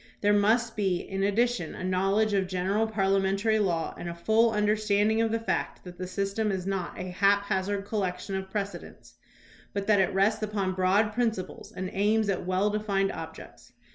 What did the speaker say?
There must be in addition a knowledge of general parliamentary law and a full understanding of the fact that the system is not a haphazard collection of precedents, but that it rests upon broad principles, and aims at well defined objects.